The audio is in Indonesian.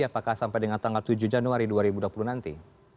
apakah sampai dengan tanggal tujuh januari dua ribu dua puluh nanti